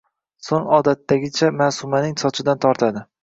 Soʼng odatdagicha, Maʼsumaning sochidan tortadi.